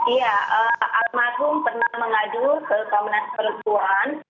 iya almarhum pernah mengadu ke komnas perempuan